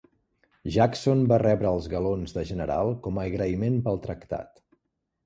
Jackson va rebre els galons de general com a agraïment pel tractat.